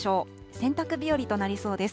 洗濯日和となりそうです。